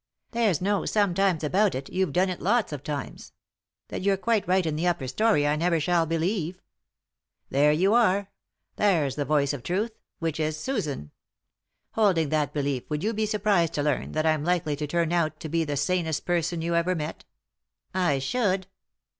"There's no 'sometimes' about it; you've done it lots of times. That you're quite right in the upper storey I never shall believe." " There you are I There's the voice of truth 1 — which is Susan I Holding that belief, would you be surprised to learn that I'm likely to turn out to be the sanest person you ever met ?" "I should."